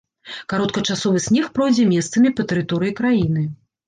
Кароткачасовы снег пройдзе месцамі па тэрыторыі краіны.